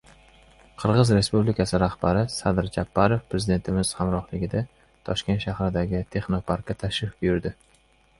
Qirg‘iz Respublikasi rahbari Sadir Japarov prezidentimiz hamrohligida Toshkent shahridagi texnoparkka tashrif buyurdi.